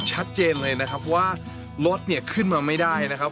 ชัดเจนเลยนะครับว่ารถเนี่ยขึ้นมาไม่ได้นะครับ